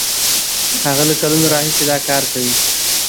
هغه له کلونو راهیسې دا کار کوي.